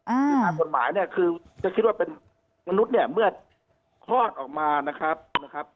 คือตามกฎหมายเนี่ยคือจะคิดว่าเป็นมนุษย์เนี่ยเมื่อคลอดออกมานะครับนะครับ